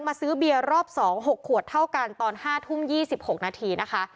ซื้อเบียร์รอบ๒๖ขวดเท่ากันตอน๕ทุ่ม๒๖นาทีนะคะ